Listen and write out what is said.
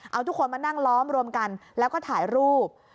เอาทุกคนมานั่งล้อมรวมกันแล้วก็ถ่ายรูป